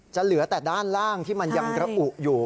เหลือแต่ด้านล่างที่มันยังกระอุอยู่